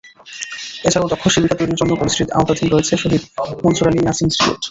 এছাড়াও দক্ষ সেবিকা তৈরির জন্য কলেজটির আওতাধীন রয়েছে শহীদ মনসুর আলী নার্সিং ইনস্টিটিউট।